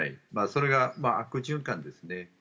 それが悪循環ですね。